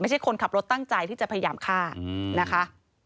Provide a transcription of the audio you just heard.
คนขับรถตั้งใจที่จะพยายามฆ่านะคะ